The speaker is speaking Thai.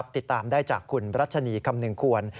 ติดตามได้จากคุณรัชนีคำนึงควร